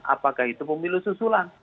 apakah itu pemilu susulan